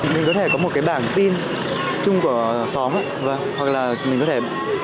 mình có thể có một cái bảng tin chung của xóm hoặc là mình có thể